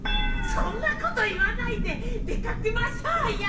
そんなこと言わないで出掛けましょうよ。